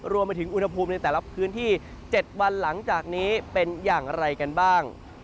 รวมไปถึงอุณหภูมิในแต่ละพื้นที่๗วันหลังจากนี้เป็นอย่างไรกันบ้าง